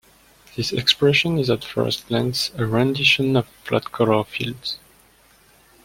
This expression is at first glance a rendition of flat color fields.